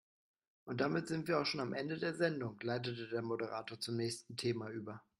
Und damit sind wir auch schon am Ende der Sendung, leitete der Moderator zum nächsten Thema über.